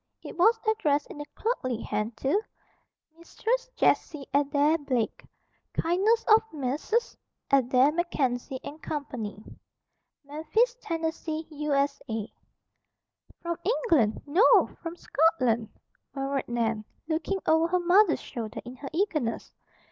It was addressed in a clerkly hand to, "MISTRESS JESSIE ADAIR BLAKE, "KINDNESS OF MESSRS. ADAIR MACKENZIE & CO. "MEMPHIS, TENN., U.S.A." "From England. No! From Scotland," murmured Nan, looking over her mother's shoulder in her eagerness.